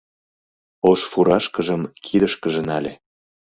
Ош фуражкыжым кидышкыже нале.